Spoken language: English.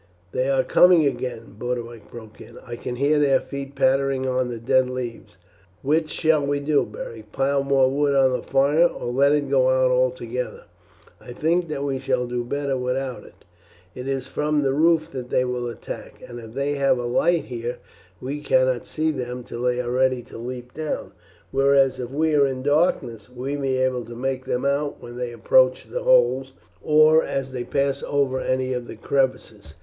"They are coming again," Boduoc broke in; "I can hear their feet pattering on the dead leaves. Which shall we do, Beric, pile more wood on the fire, or let it go out altogether? I think that we shall do better without it; it is from the roof that they will attack, and if we have a light here we cannot see them till they are ready to leap down; whereas, if we are in darkness we may be able to make them out when they approach the holes, or as they pass over any of the crevices."